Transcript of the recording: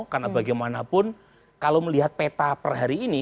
karena bagaimanapun kalau melihat peta per hari ini